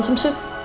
kamu mau sup